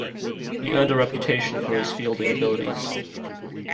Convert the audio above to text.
He earned a reputation for his fielding abilities.